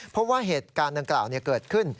เพราะว่าเหตุการณ์ดังกล่าวเกิดขึ้น